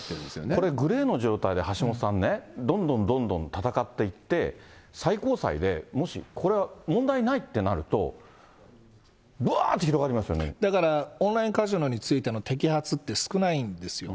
これ、グレーの状態で橋下さんね、どんどんどんどん戦っていって、最高裁でもしこれ、問題ないってなると、だから、オンラインカジノについての摘発って、少ないんですよ。